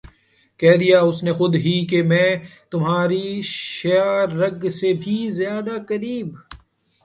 کہہ دیا اس نے خود ہی کہ میں تمھاری شہہ رگ سے بھی زیادہ قریب